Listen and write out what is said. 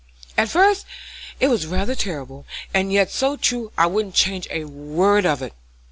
At first it was rather terrible, and yet so true I wouldn't change a word of it.